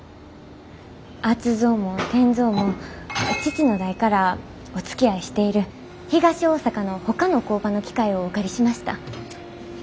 圧造も転造も父の代からおつきあいしている東大阪のほかの工場の機械をお借りしました。